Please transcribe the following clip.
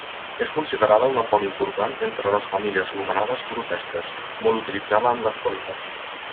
És considerada una font important entre les famílies anomenades Grotesques, molt utilitzada en l'actualitat.